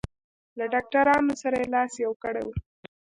له ډاکټرانو سره یې لاس یو کړی و.